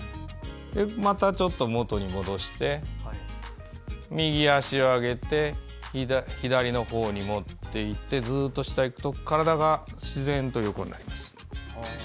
またちょっと元に戻して右足を上げて左のほうに持っていってずっと下に行くと体が自然と横になります。